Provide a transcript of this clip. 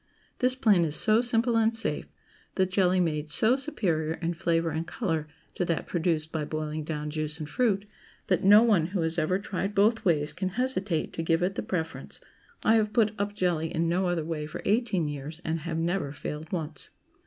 This plan is so simple and safe, the jelly made so superior in flavor and color to that produced by boiling down juice and fruit, that no one who has ever tried both ways can hesitate to give it the preference. I have put up jelly in no other way for eighteen years, and have never failed once.